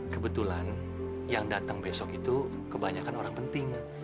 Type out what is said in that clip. kebetulan yang datang besok itu kebanyakan orang penting